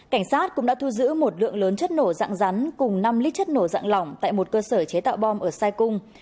cảnh sát cũng đã thu giữ một lượng lớn chất nổ dạng rắn cùng năm lít chất nổ dạng lỏng tại một cơ sở chế tạo bom ở sai cung